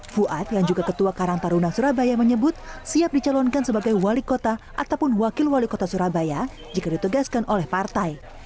fuad yang juga ketua karang taruna surabaya menyebut siap dicalonkan sebagai wali kota ataupun wakil wali kota surabaya jika ditegaskan oleh partai